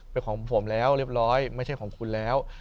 เป็นของผมแล้วเรียบร้อยไม่ใช่ของคุณแล้ว